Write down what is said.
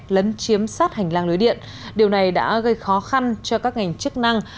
lấn chiếm sát hành lang lưới điện điều này đã gây khó khăn cho các ngành chức năng